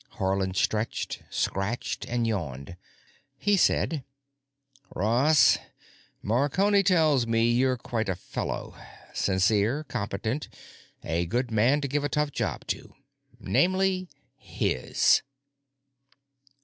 Haarland stretched, scratched, and yawned. He said: "Ross, Marconi tells me you're quite a fellow. Sincere, competent, a good man to give a tough job to. Namely, his."